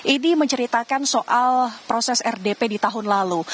ini menceritakan soal proses rdp di tahun lalu